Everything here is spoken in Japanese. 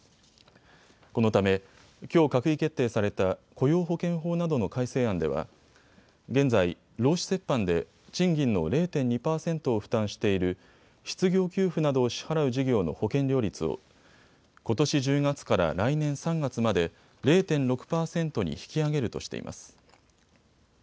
このため、きょう閣議決定された雇用保険法などの改正案では現在、労使折半で賃金の０．２％を負担している失業給付などを支払う事業の保険料率をことし１０月から来年３月まで０．６％に引き上げるとしています。